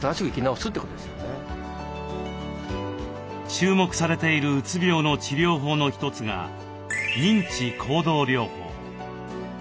注目されているうつ病の治療法の一つが認知行動療法。